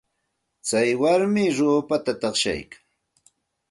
Tsay warmi ruupata taqshaykan.